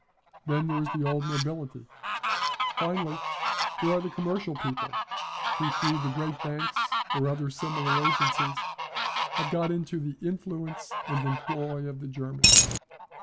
Then there is the old nobility. Finally, there are the commercial people who through the great banks or other similar agencies have got into the influence and employ of the Germans.